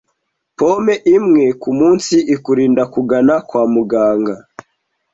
Pome imwe ku munsi ikurinda kugana kwa muganga